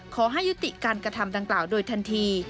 ขอให้ยุติการกระทำดังกล่าวโดยทันที